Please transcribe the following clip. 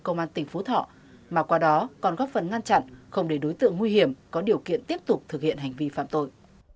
công an tỉnh phú thọ mà qua đó còn góp phần ngăn chặn không để đối tượng nguy hiểm có điều kiện tiếp tục thực hiện hành vi phạm tội